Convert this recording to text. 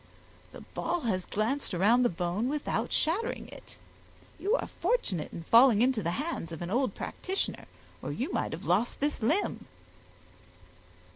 the ball has glanced around the bone without shattering it; you are fortunate in falling into the hands of an old practitioner, or you might have lost this limb."